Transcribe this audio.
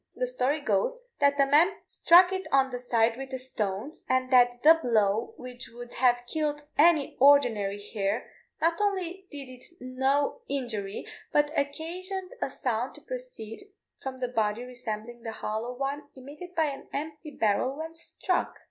The story goes, that a man struck it on the side with a stone, and that the blow, which would have killed any ordinary hare, not only did it no injury, but occasioned a sound to proceed from the body resembling the hollow one emitted by an empty barrel when struck.